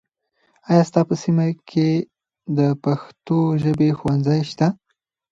آیا ستا په سیمه کې د پښتو ژبې ښوونځي شته؟